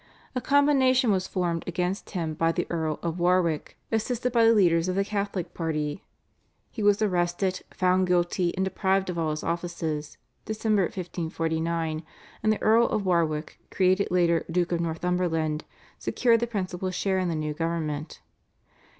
A combination was formed against him by the Earl of Warwick, assisted by the leaders of the Catholic party. He was arrested, found guilty, and deprived of all his offices (Dec. 1549), and the Earl of Warwick, created later Duke of Northumberland, secured the principal share in the new government.